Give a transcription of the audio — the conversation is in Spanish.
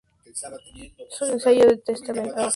Su ensayo "The Testament of a Stone" refleja bien este periodo.